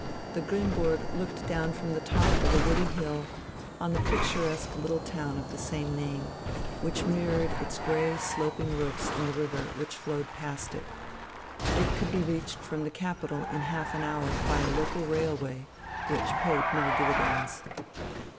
The Grimmburg looked down from the top of a woody hill on the picturesque little town of the same name, which mirrored its grey sloping roofs in the river which flowed past it. It could be reached from the capital in half an hour by a local railway which paid no dividends.